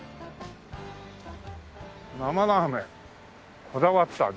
「生ラーメンこだわった味」。